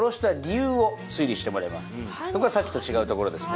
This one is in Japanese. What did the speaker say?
そこはさっきと違うところですね。